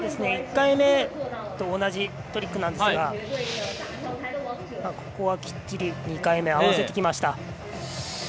１回目と同じトリックなんですがここはきっちり２回目合わせてきました。